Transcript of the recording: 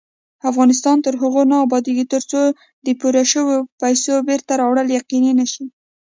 افغانستان تر هغو نه ابادیږي، ترڅو د پورې شوو پیسو بېرته راوړل یقیني نشي.